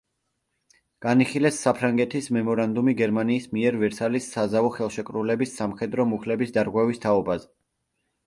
განიხილეს საფრანგეთის მემორანდუმი გერმანიის მიერ ვერსალის საზავო ხელშეკრულების სამხედრო მუხლების დარღვევის თაობაზე.